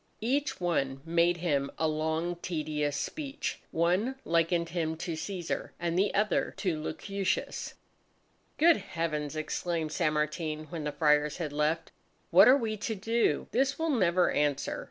Each one made him a long tedious speech; one likened him to Cæsar and the other to Lucullus. "Good heavens!" exclaimed San Martin, when the Friars had left. "What are we to do? This will never answer!"